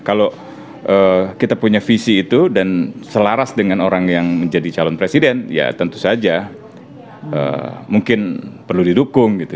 kalau kita punya visi itu dan selaras dengan orang yang menjadi calon presiden ya tentu saja mungkin perlu didukung gitu